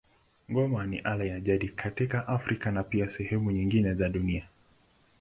Ngoma ni ala ya jadi katika Afrika na pia sehemu nyingine za dunia.